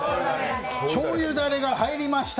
しょうゆだれが入りました。